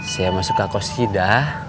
siapa suka kosida